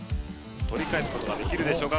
取り返すことができるでしょうか？